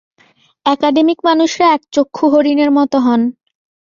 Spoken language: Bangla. অ্যাকাডেমিক মানুষরা একচক্ষু হরিণের মতো হন।